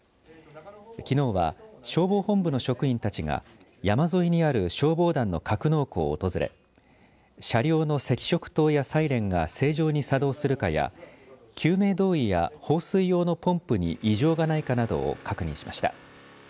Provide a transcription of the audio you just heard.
きのうは消防本部の職員たちが山沿いにある消防団の格納庫を訪れ車両の赤色灯やサイレンが正常に作動するかや救命胴衣や放水用のポンプに異常がないかなどを確認しました。